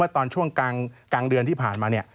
ตอนช่วงการเดือนที่ผ่านมาเนี่ย